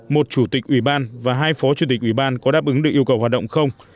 một chủ tịch ủy ban và hai phó chủ tịch ủy ban có đáp ứng được yêu cầu hoạt động không